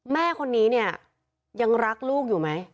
แม่คนนี้เนี่ยยังรักลูกอยู่ไหม